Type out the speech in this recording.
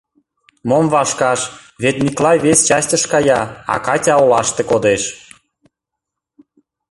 Мом вашкаш, вет Миклай вес частьыш кая, а Катя олаште кодеш.